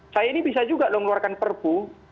saya ini bisa juga loh ngeluarkan perpu